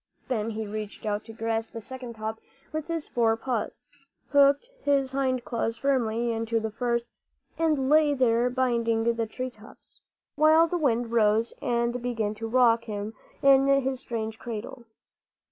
Then he reached out to grasp the second top with his fore paws, hooked his hind claws firmly into the first, and lay there binding the tree tops together, while the wind rose and began to rock him in his strange cradle.